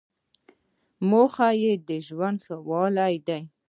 موخه یې د ژوند ښه والی دی.